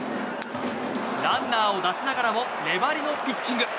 ランナーを出しながらも粘りのピッチング。